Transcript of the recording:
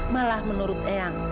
malah menurut ayang